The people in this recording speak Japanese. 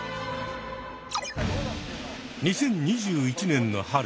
２０２１年の春